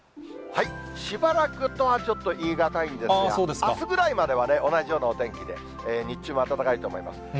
しばらくとはちょっと言い難いんですが、あすぐらいまでは同じようなお天気で、日中は暖かいと思います。